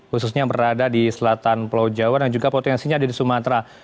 khususnya berada di selatan pulau jawa dan juga potensinya ada di sumatera